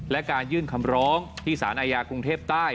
และการยื่นคำร้องที่สารอาญากรุงเทพใต้